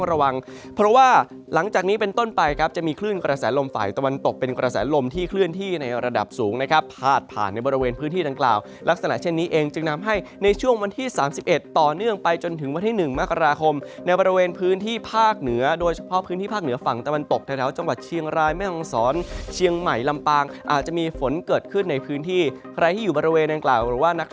ต้องระวังเพราะว่าหลังจากนี้เป็นต้นไปครับจะมีคลื่นกระแสลมฝ่ายตะวันตกเป็นกระแสลมที่เคลื่อนที่ในระดับสูงนะครับพาดผ่านในบริเวณพื้นที่ดังกล่าวลักษณะเช่นนี้เองจึงนำให้ในช่วงวันที่สามสิบเอ็ดต่อเนื่องไปจนถึงวันที่หนึ่งมากราคมในบริเวณพื้นที่ภาคเหนือโดยเฉพาะพื้นที่ภา